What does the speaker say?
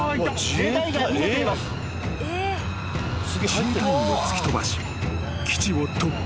［自衛隊員を突き飛ばし基地を突破］